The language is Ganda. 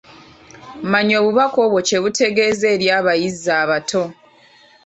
Manya obubaka obwo kye butegeeza eri abayizi abato.